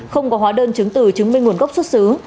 không có hóa đơn chứng từ chứng minh nguồn gốc xuất xứ